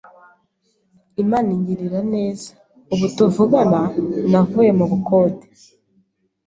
Imana ingirira neza, ubu tuvugana navuye mu bukode,